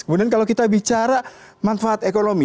kemudian kalau kita bicara manfaat ekonomi